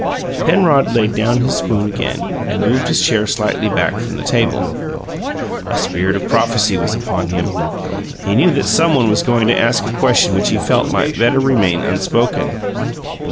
Penrod laid down his spoon again and moved his chair slightly back from the table. A spirit of prophecy was upon him: he knew that someone was going to ask a question which he felt might better remain unspoken.